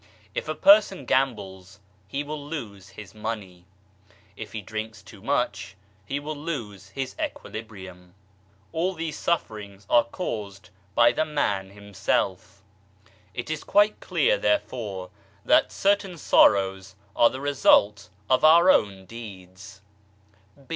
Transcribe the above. If a person gambles he will lose his money ; if he drinks too much he will lose his equilibrium. All these sufferings are caused by the man himself, it is quite clear therefore that certain sorrows are the results of our own deeds.